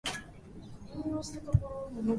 寝袋はすっかり冷たくなっていた